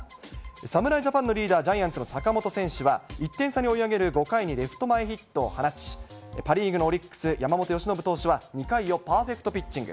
侍ジャパンのリーダー、ジャイアンツの坂本選手は１点差に追い上げる５回にレフト前ヒットを放ち、パ・リーグのオリックス・山本由伸投手は２回をパーフェクトピッチング。